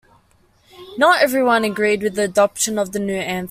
Not everyone agreed with the adoption of the new anthem.